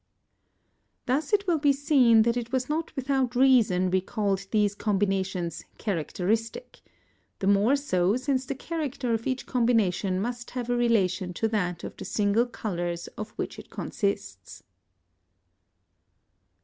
Thus it will be seen that it was not without reason we called these combinations characteristic; the more so, since the character of each combination must have a relation to that of the single colours of which it consists.